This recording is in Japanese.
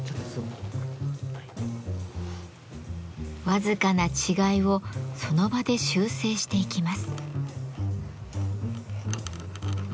僅かな違いをその場で修正していきます。